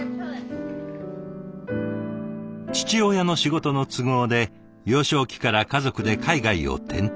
父親の仕事の都合で幼少期から家族で海外を転々。